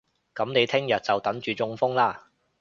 噉你聽日就等住中風啦